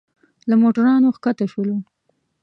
له موټرانو ښکته شولو.